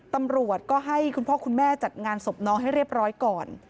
ตำรวจก็ให้คุณพ่อคุณแม่จัดงานศพน้องให้เรียบร้อยก่อน